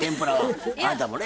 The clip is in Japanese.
あなたもね。